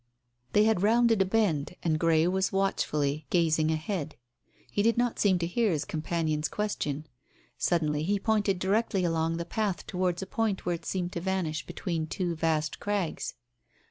They had rounded a bend and Grey was watchfully gazing ahead. He did not seem to hear his companion's question. Suddenly he pointed directly along the path towards a point where it seemed to vanish between two vast crags.